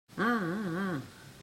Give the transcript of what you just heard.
Ah, ah, ah!